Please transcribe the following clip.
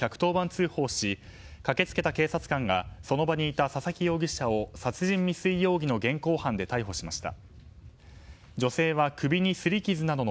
通報し駆け付けた警察官がその場にいた佐々木容疑者を殺人未遂容疑の現行犯で逮捕しました。